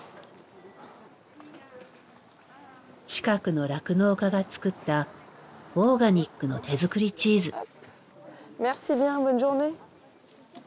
近くの酪農家が作ったオーガニックの手作りチーズ。